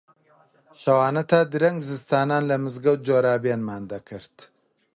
شەوانە تا درەنگ زستانان لە مزگەوت جۆرابێنمان دەکرد